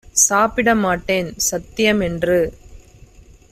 சாப்பிட மாட்டேன் சத்தியம் என்று!